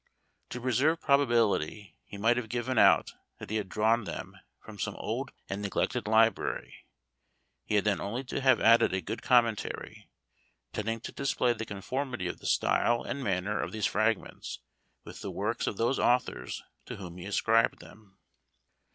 To preserve probability he might have given out that he had drawn them, from some old and neglected library; he had then only to have added a good commentary, tending to display the conformity of the style and manner of these fragments with the works of those authors to whom he ascribed them.